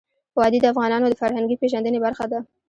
وادي د افغانانو د فرهنګي پیژندنې برخه ده.